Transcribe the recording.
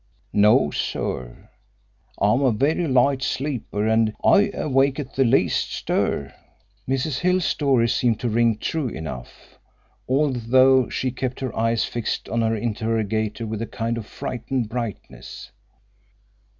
"No, sir. I'm a very light sleeper, and I wake at the least stir." Mrs. Hill's story seemed to ring true enough, although she kept her eyes fixed on her interrogator with a kind of frightened brightness.